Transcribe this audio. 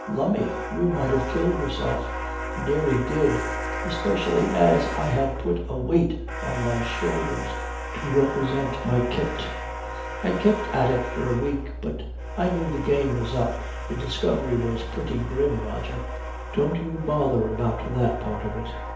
'Lummy, you might have killed yourself.' 'I nearly did especially as I had put a weight on my shoulders to represent my kit. I kept at it for a week, but I knew the game was up. The discovery was pretty grim, Roger.' 'Don't you bother about that part of it.